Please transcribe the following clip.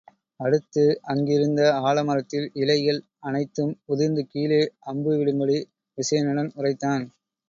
அடுத்து அங்கிருந்த ஆலமரத்தில் இலைகள் அனைத்தும் உதிர்ந்து விழ அம்பு விடும்படி விசயனிடம் உரைத்தான்.